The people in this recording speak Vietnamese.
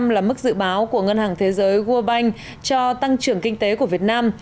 năm là mức dự báo của ngân hàng thế giới world bank cho tăng trưởng kinh tế của việt nam